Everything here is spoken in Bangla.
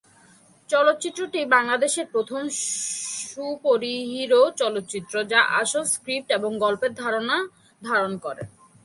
চলচ্চিত্রটি বাংলাদেশের প্রথম সুপারহিরো চলচ্চিত্র, যা আসল স্ক্রিপ্ট এবং গল্পের ধারণা ধারণ করে।